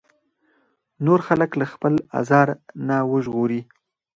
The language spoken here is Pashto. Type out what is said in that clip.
نور خلک له خپل ازار نه وژغوري.